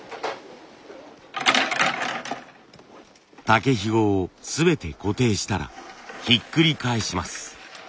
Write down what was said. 竹ひごを全て固定したらひっくり返します。